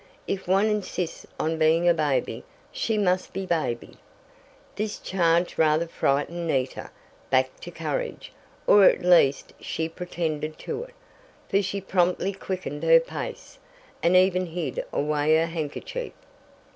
"If one insists on being a baby, she must be babied." This charge rather frightened Nita back to courage, or at least she pretended to it, for she promptly quickened her pace, and even hid away her handkerchief.